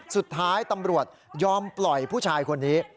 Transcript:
สุดท้ายตำรวจยอมปล่อยผู้ชายคนนี้